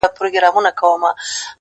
• خوبيا هم ستا خبري پټي ساتي،